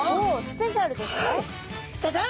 スペシャルですか？